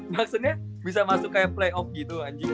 maksudnya bisa masuk kayak play off gitu anjir